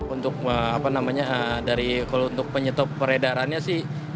untuk apa namanya kalau untuk penyetup peredarannya sih